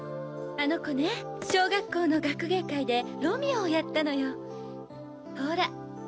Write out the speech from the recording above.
あの子ね小学校の学芸会でロミオをやったのよほら！